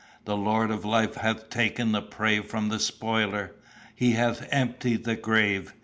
The Lord of Life hath taken the prey from the spoiler; he hath emptied the grave.